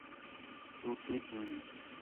تُو ٹھیک ہیں